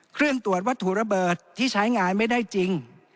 เครื่องตรวจวัตถุระเบิดที่ใช้งานไม่ได้จริง